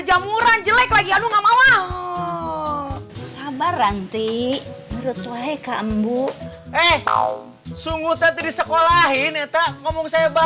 sampai jumpa di video selanjutnya